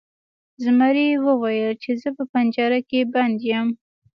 زمري وویل چې زه په پنجره کې بند یم.